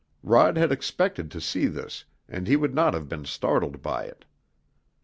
Rod had expected to see this, and he would not have been startled by it.